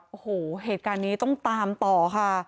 โอ้โหเหตุการณ์นี้ต้องตามต่อค่ะ